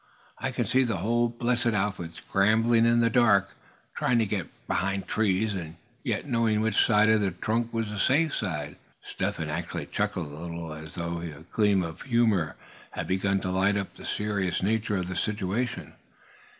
I can just see the whole blessed outfit scrambling in the dark, trying to get behind trees, and yet not knowing which side of the trunk was the safe side." Step Hen actually chuckled a little, as though a gleam of humor had begun to light up the serious nature of the situation.